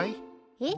えっ？